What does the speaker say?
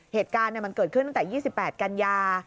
เหตุการณ์มันเกิดขึ้นตั้งแต่๒๘กันยา